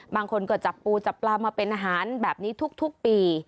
บางคนก็จับปูจับปลามาเป็นอาหารแบบนี้ทุกปี